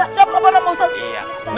siap pak ustadz